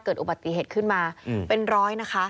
เกิดอุบัติเหตุขึ้นมาเป็นร้อยนะคะ